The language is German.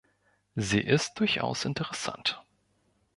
Sie ist durchaus interessant.